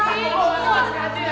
jangan lupa main di sini ya